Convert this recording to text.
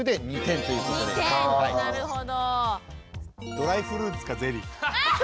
ドライフルーツかゼリー。